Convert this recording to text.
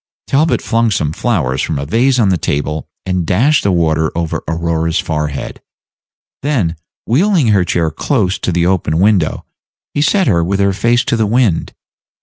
Talbot flung some flowers from a vase on the table, and dashed the water over Aurora's forehead; then, wheeling her chair close to the open window, he set her with her face to the wind.